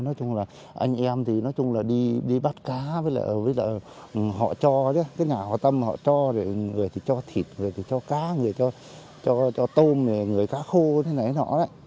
nói chung là anh em thì nói chung là đi bắt cá với là họ cho cái nhà họ tâm họ cho người thì cho thịt người thì cho cá người cho tôm người cá khô thế này thế nọ đấy